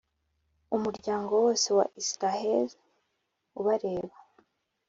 umuryango wose wa Israheli ubareba!